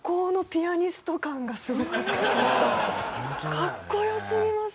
かっこよすぎます。